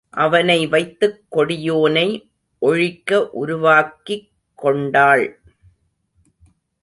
அவனை வைத்துக் கொடியோனை ஒழிக்க உருவாக்கிக் கொண்டாள்.